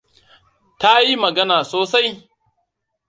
Ta yi magana sosai.